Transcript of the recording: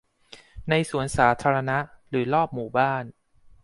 ในสวนสาธารณะหรือรอบหมู่บ้าน